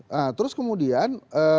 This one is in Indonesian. nah terus kemudian